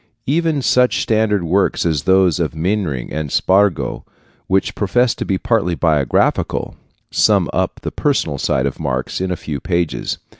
Even such standard works as those of Mehring and Spargo, which profess to be partly biographical, sum up the personal side of Marx in a few pages.